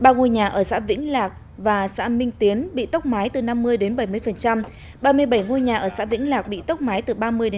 ba ngôi nhà ở xã vĩnh lạc và xã minh tiến bị tốc mái từ năm mươi bảy mươi ba mươi bảy ngôi nhà ở xã vĩnh lạc bị tốc mái từ ba mươi năm mươi